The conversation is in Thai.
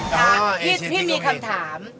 ค่ะพี่มีคำถาม